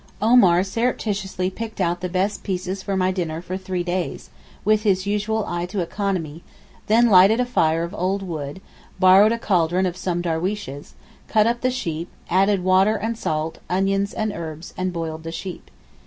Omar surreptitiously picked out the best pieces for my dinner for three days, with his usual eye to economy; then lighted a fire of old wood, borrowed a cauldron of some darweeshes, cut up the sheep, added water and salt, onions and herbs, and boiled the sheep.